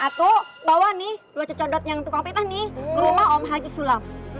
satu bawah nih luar cocok com kita nih rumah om haji sulam